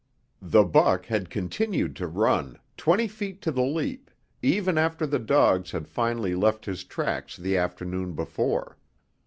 The buck had continued to run, twenty feet to the leap, even after the dogs had finally left his tracks the afternoon before.